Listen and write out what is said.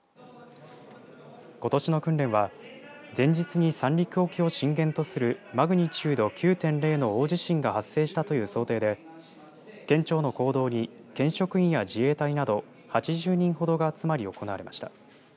ことしの訓練は前日に三陸沖を震源とするマグニチュード９．０の大地震が発生したという想定で県庁の講堂に県職員や自衛隊など８０人ほどが集まり行われました。